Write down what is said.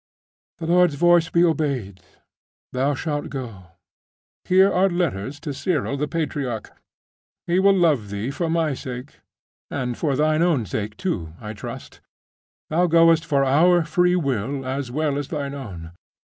'The Lord's voice be obeyed! Thou shalt go. Here are letters to Cyril the patriarch. He will love thee for my sake: and for thine own sake, too, I trust. Thou goest of our free will as well as thine own.